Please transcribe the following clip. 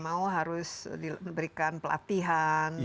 mau harus diberikan pelatihan